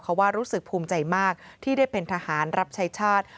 เขาว่ารู้สึกภูมิใจมากที่ได้เป็นทหารรับใช้ชาติ